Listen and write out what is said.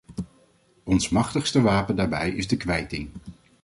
Ons machtigste wapen daarbij is de kwijting.